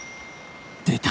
出た。